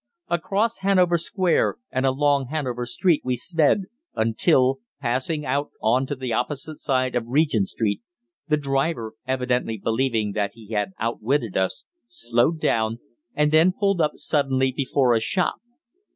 Across Hanover Square and along Hanover Street we sped, until, passing out on to the opposite side of Regent Street, the driver, evidently believing that he had outwitted us, slowed down, and then pulled up suddenly before a shop.